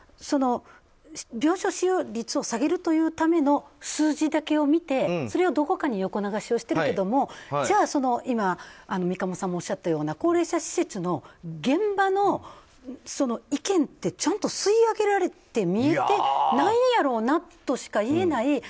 病床使用率を下げるというための数字だけを見てそれをどこかに横流しをしているけども三鴨さんもおっしゃったような高齢者施設の現場の意見ってちゃんと吸い上げられて見えてないんやろうなとしか言えない。